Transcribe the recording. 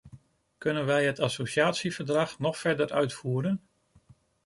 Kunnen wij het associatieverdrag nog verder uitvoeren?